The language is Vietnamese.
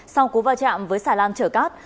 sau cú va chạm với xà lan chở cát